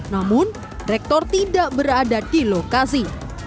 namun rektor tidak berada di lokasi